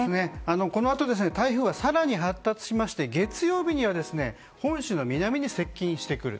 このあと台風は更に発達しまして月曜日には本州の南に接近してくる。